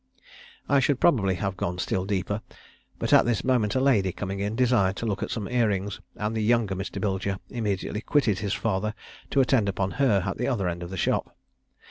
I should probably have gone still deeper, but at this moment a lady, coming in, desired to look at some ear rings, and the younger Mr. Bilger immediately quitted his father to attend upon her at the other end of the shop.